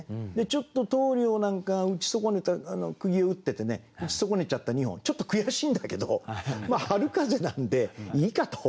ちょっと棟りょうなんかが打ち損ねた釘を打っててね打ち損ねちゃった二本ちょっと悔しいんだけどまあ春風なんでいいかと。